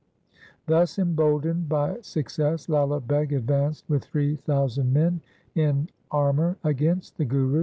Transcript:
Thus emboldened by success, Lala Beg advanced with three thousand men in armour against the Guru.